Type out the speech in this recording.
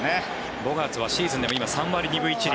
ボガーツはシーズンでも３割２分１厘。